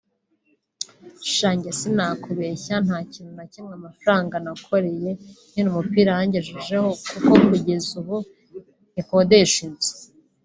Sha njye sinakubeshya nta kintu na kimwe amafaranga nakoreye nkina umupira yangejejeho kuko kugeza n’ubu ngikodesha inzu